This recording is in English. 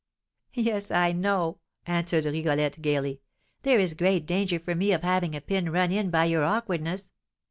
"Yes, I know," answered Rigolette gaily; "there is great danger for me of having a pin run in by your awkwardness.